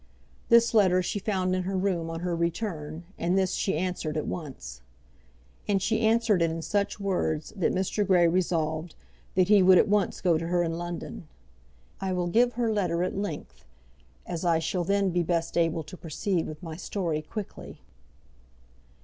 This letter she found in her room on her return, and this she answered at once. And she answered it in such words that Mr. Grey resolved that he would at once go to her in London. I will give her letter at length, as I shall then be best able to proceed with my story quickly.